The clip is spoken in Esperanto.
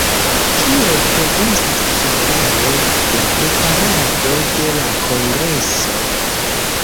Kiel progresas ĝenerale la preparado de la kongreso?